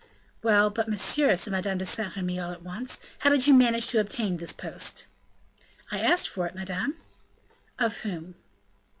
"Well, but, monsieur," said Madame de Saint Remy, all at once, "how did you manage to obtain this post?" "I asked for it, madame." "Of whom?"